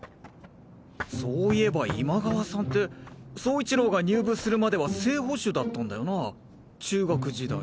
そういえば今川さんて走一郎が入部するまでは正捕手だったんだよな中学時代。